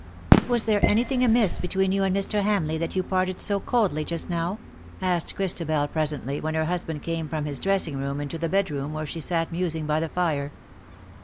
"Was there anything amiss between you and Mr. Hamleigh, that you parted so coldly just now ?" asked Christabel, presently, when her husband came from his dressing room into the bed room where she sat musing by the fire.